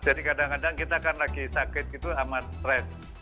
jadi kadang kadang kita kan lagi sakit gitu amat stress